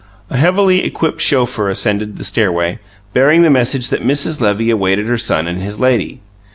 A heavily equipped chauffeur ascended the stairway, bearing the message that Mrs. Levy awaited her son and his lady.